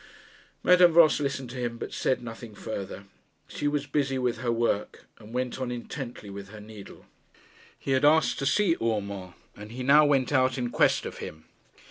Madame Voss listened to him, but said nothing farther. She was busy with her work, and went on intently with her needle. He had asked to see Urmand, and he now went out in quest of him.